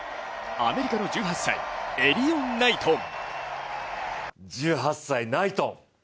アメリカの１８歳、エリヨン・ナイトン。